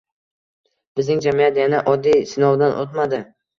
Bizning jamiyat yana oddiy sinovdan o'tmadi